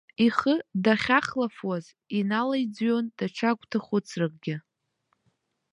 Ихы дахьахлафуаз, иналаиӡҩон даҽа гәҭахәыцракгьы.